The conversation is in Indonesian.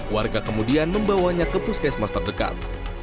warga kemudian membawanya ke puskesmas terdekat